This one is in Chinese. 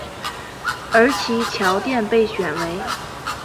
而其桥殿被选为。